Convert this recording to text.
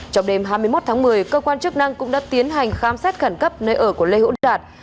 trong đêm hai mươi một tháng một mươi cơ quan chức năng cũng đã tiến hành khám xét khẩn cấp nơi ở của lê hữu đạt